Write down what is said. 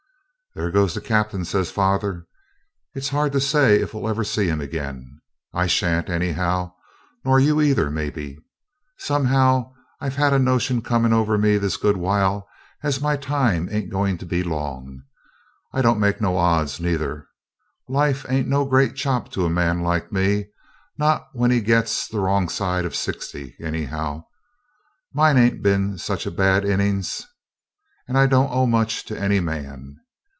'There goes the Captain,' says father. 'It's hard to say if we'll ever see him again. I shan't, anyhow, nor you either, maybe. Somehow I've had a notion coming over me this good while as my time ain't going to be long. It don't make no odds, neither. Life ain't no great chop to a man like me, not when he gets the wrong side o' sixty, anyhow. Mine ain't been such a bad innings, and I don't owe much to any man.